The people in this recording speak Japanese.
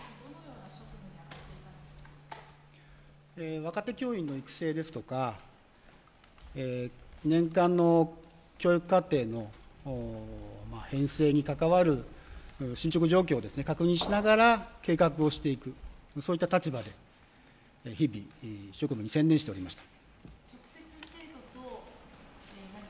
若手教員の育成ですとか年間の教育課程の編成に関わる進捗状況を確認しながら計画をしていくといった立場で日々職務に専念しておりました。